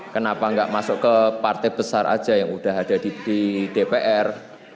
kenapa enggak masuk ke partai besar saja yang sudah ada di dpr